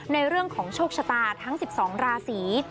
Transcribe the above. ในเรื่องของโชคชะตาทั้ง๑๒ราศี